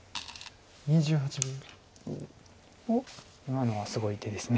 今のはすごい手です。